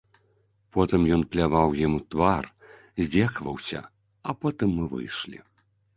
Потым ён пляваў ім у твар, здзекаваўся, а потым мы выйшлі.